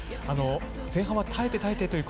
前半は耐えて耐えてという